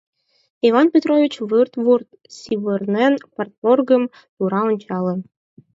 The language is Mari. — Иван Петрович вырт-вурт савырнен, парторгым тура ончале.